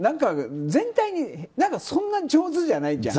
何かそんなに上手じゃないじゃん。